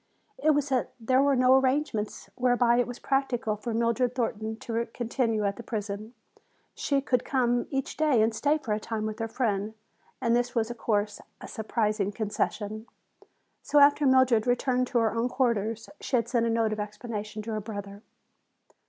It was that there were no arrangements whereby it was practical for Mildred Thornton to continue at the prison. She could come each day and stay for a time with her friend. And this was, of course, a surprising concession. So after Mildred returned to her own quarters she had sent a note of explanation to her brother.